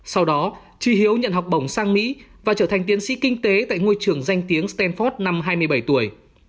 sau đó trí hiếu nhận học bổng sang mỹ và trở thành tiến sĩ kinh tế tại ngôi trường danh tiếng stanford năm hai mươi bảy tuổi